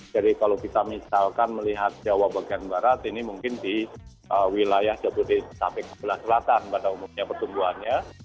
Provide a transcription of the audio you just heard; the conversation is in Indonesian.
jadi kalau kita misalkan melihat jawa bagian barat ini mungkin di wilayah jawa tengah sampai kebelah selatan pada umumnya pertumbuhannya